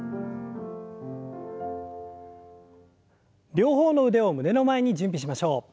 両方の腕を胸の前に準備しましょう。